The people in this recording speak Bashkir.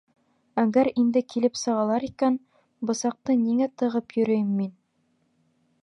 Әгәр инде килеп сығалар икән, бысаҡты ниңә тығып йөрөйөм мин?